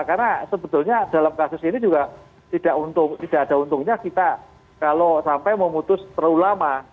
karena sebetulnya dalam kasus ini juga tidak ada untungnya kita kalau sampai memutus terlalu lama